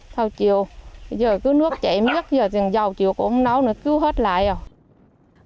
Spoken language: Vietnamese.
sau chiều giờ cứ nước chảy miếc giờ rừng dầu chiều cũng không nấu nữa cứu hết lại rồi